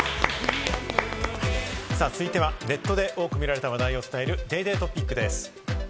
続いてはネットで多く見られた話題をお伝えする、ＤａｙＤａｙ．トピックです。